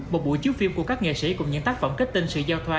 một buổi chiếu phim của các nghệ sĩ cùng những tác phẩm kết tinh sự giao thoa